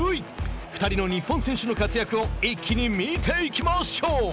２人の日本選手の活躍を一気に見ていきましょう。